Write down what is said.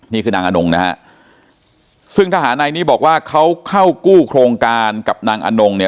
นี่คือนางอนงนะฮะซึ่งทหารนายนี้บอกว่าเขาเข้ากู้โครงการกับนางอนงเนี่ย